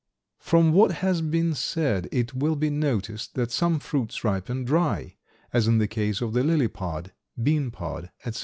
From what has been said it will be noticed that some fruits ripen dry, as in the case of the lily pod, bean pod, etc.